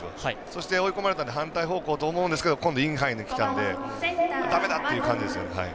そして追い込まれたら反対方向と思うんですが今度、インハイにきたのでだめだ！っていう感じですね。